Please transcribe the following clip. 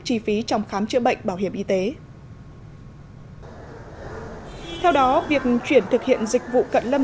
chi phí trong khám chữa bệnh bảo hiểm y tế theo đó việc chuyển thực hiện dịch vụ cận lâm